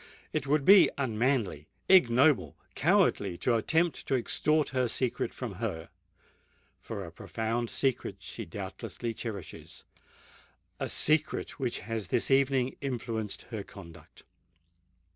It would be unmanly—ignoble—cowardly to attempt to extort her secret from her,—for a profound secret she doubtless cherishes—a secret which has this evening influenced her conduct!